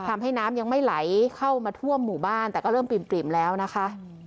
ทำให้น้ำยังไม่ไหลเข้ามาท่วมหมู่บ้านแต่ก็เริ่มปริ่มแล้วนะคะ